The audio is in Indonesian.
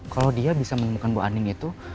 kalau dia bisa menemukan bu andi itu